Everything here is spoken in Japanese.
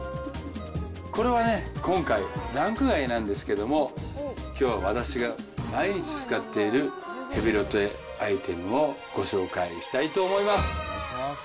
これはね、今回、ランク外なんですけども、きょう、私が毎日使っているヘビロテアイテムをご紹介したいと思います。